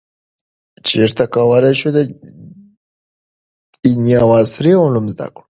چیرته کولای شو دیني او عصري علوم زده کړو؟